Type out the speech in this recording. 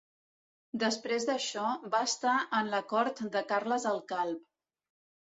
Després d'això, va estar en la cort de Carles el Calb.